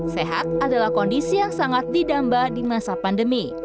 sehat adalah kondisi yang sangat didamba di masa pandemi